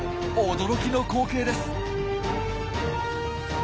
驚きの光景です！